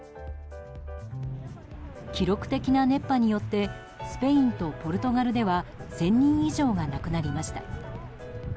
記録的な熱波によってスペインとポルトガルでは１０００人以上が亡くなりました。